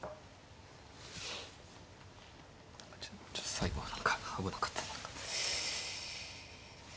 最後は何か危なかった何か。